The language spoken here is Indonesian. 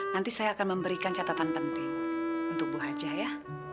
nanti saya akan memberikan catatan penting untuk bu haja ya